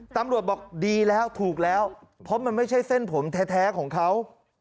ตำรวจบอกดีแล้วถูกแล้วเพราะมันไม่ใช่เส้นผมแท้ของเขา